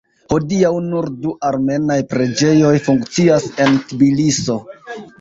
Hodiaŭ nur du armenaj preĝejoj funkcias en Tbiliso.